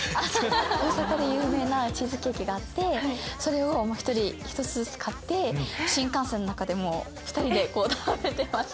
大阪で有名なチーズケーキがあってそれをまぁ１人１つずつ買って新幹線の中でもう２人でこう食べてました。